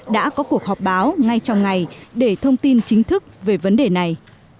đã có cuộc họp báo ngay trong ngày để thông tin chính thức về vấn đề này